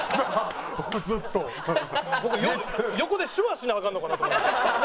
僕横で手話しなアカンのかなと思いました。